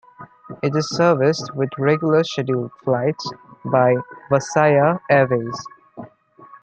It is serviced with regular scheduled flights by Wasaya Airways.